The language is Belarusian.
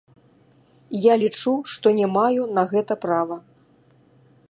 Я лічу, што не маю на гэта права.